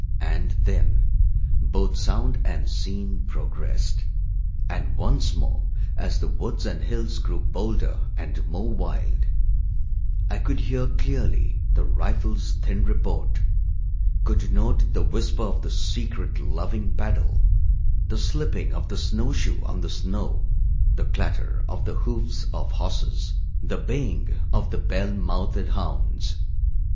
And then both sound and scene progressed, and once more as the woods and hills grew bolder and more wild, I could hear clearly the rifle's thin report, could note the whisper of the secret loving paddle, the slipping of the snow shoe on the snow, the clatter of the hoofs of horses, the baying of the bell mouthed hounds.